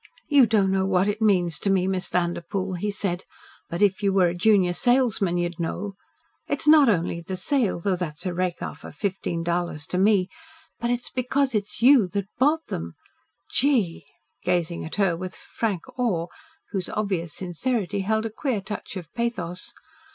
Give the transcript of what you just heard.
"You don't know what it means to me, Miss Vanderpoel," he said, "but if you were a junior salesman you'd know. It's not only the sale though that's a rake off of fifteen dollars to me but it's because it's YOU that's bought them. Gee!" gazing at her with a frank awe whose obvious sincerity held a queer touch of pathos.